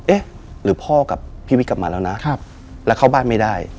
เอ๊ะหรือพ่อกับพี่วิทย์กลับมาแล้วนะแล้วเข้าบ้านไม่ได้